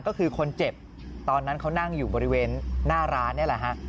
ก็คือคนเจ็บตอนนั้นเขานั่งอยู่บริเวณหน้าร้านนี่แหละฮะ